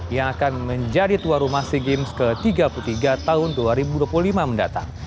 yang akan menjadi tuan rumah sea games ke tiga puluh tiga tahun dua ribu dua puluh lima mendatang